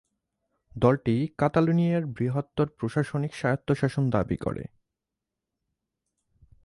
দলটি কাতালোনিয়ার বৃহত্তর প্রশাসনিক স্বায়ত্তশাসন দাবি করে।